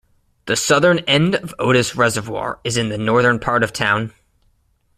The southern end of Otis Reservoir is in the northern part of town.